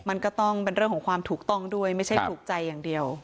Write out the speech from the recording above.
มันก็ต้องเป็นเรื่องของความถูกต้องด้วยไม่ใช่ถูกใจอย่างเดียว